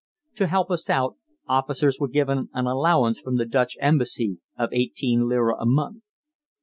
To help us out, officers were given an allowance from the Dutch Embassy of 18 lira a month.